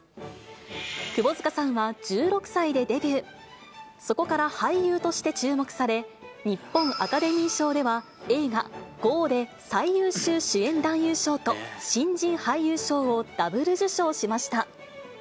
窪塚さんは１６歳でデビュー、そこから俳優として注目され、日本アカデミー賞では、映画、ＧＯで最優秀主演男優賞と新人俳優賞をダブル受賞しました。